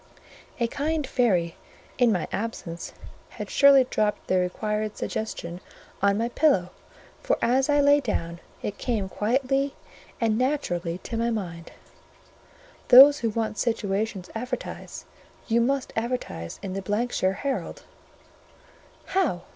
A kind fairy, in my absence, had surely dropped the required suggestion on my pillow; for as I lay down, it came quietly and naturally to my mind:—"Those who want situations advertise; you must advertise in the ——shire Herald." "How?